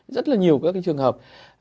rất là nhiều cái trường hợp